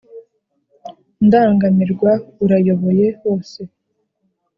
ndangamirwa urayoboye hose